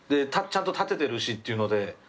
ちゃんと立ててるしっていうので。